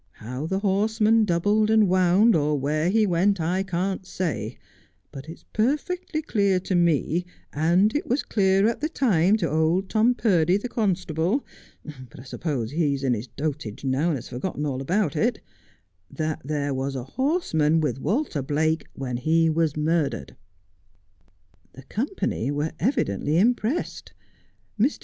How the horseman doubled and wound, or where he went, I can't say ; but it's perfectly clear to me, and it was clear at the time to old Tom Purdy, the constable — but I suppose he's in his dotage now and has forgotten all about it — that there was a horseman with Walter Biake when he was murdered.' The company were evidently impressed. Mr.